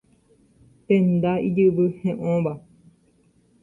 Tenda ijyvy he'õva.